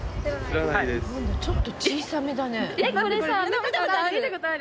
ちょっと小さめだね。